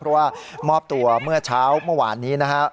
เพราะว่ามอบตัวเมื่อเช้าเมื่อวานนี้นะครับ